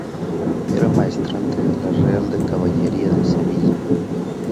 Era maestrante de la Real de Caballería de Sevilla.